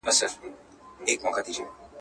نه اثر وکړ دوا نه تعویذونو.